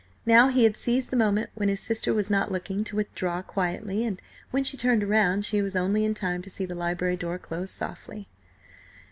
Now he had seized the moment when his sister was not looking to withdraw quietly, and, when she turned round, she was only in time to see the library door close softly.